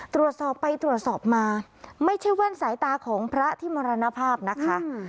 ตรวจสอบไปตรวจสอบมาไม่ใช่แว่นสายตาของพระที่มรณภาพนะคะ